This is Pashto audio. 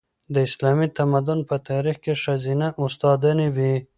د اسلامي تمدن په تاریخ کې ښځینه استادانې وې.